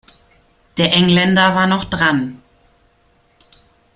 Der Engländer war noch dran.